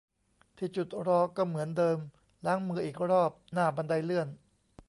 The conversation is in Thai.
ที่จุดรอก็เหมือนเดิม ล้างมืออีกรอบหน้าบันไดเลื่อน